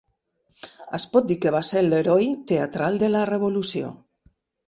Es pot dir que va ser l'heroi teatral de la Revolució.